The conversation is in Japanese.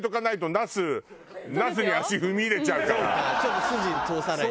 そうかちょっと筋通さないと。